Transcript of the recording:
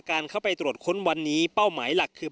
การเข้าไปตรวจค้นวันนี้เป้าหมายหลักคือ